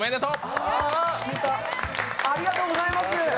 ありがとうございます！